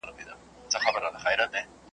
تل یې غوښي وي په خولو کي د لېوانو .